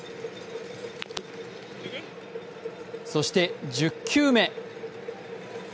そして１０球目。